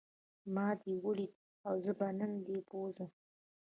ما دی وليد او زه به نن دی بوځم.